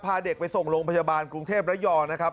พาเด็กไปส่งโรงพยาบาลกรุงเทพระยองนะครับ